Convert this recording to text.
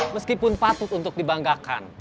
meskipun patut untuk dibanggakan